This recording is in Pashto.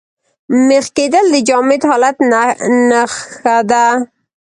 مېخ کېدل د جامد حالت نخښه ده.